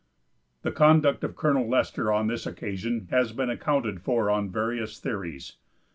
The conduct of Colonel Lester on this occasion has been accounted for on various theories.